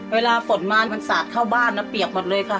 เวลาฝนมามันสาดเข้าบ้านนะเปียกหมดเลยค่ะ